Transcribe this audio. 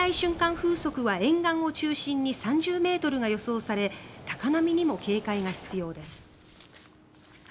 風速は沿岸を中心に３０ｍが予想され高波にも警戒が必要です。